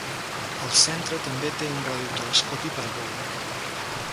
El centre també té un radiotelescopi parabòlic.